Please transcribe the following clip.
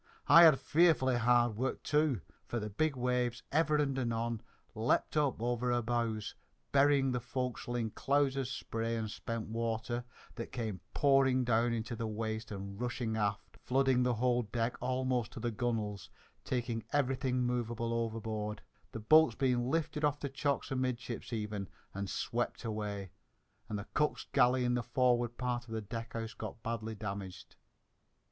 I had fearfully hard work, too, for the big waves ever and anon leapt up over her bows, burying the fo'c's'le in clouds of spray and spent water that came pouring down into the waist and rushing aft, flooding the whole deck almost up to the gunwhales taking everything movable overboard, the boats being lifted off the chocks amidships even and swept away, and the cook's galley in the forward part of the deckhouse got badly damaged.